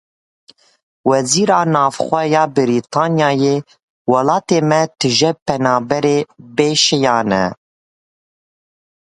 Wezîra Navxwe ya Brîtanyayê; Welatê me tije penaberên bê şiyan e.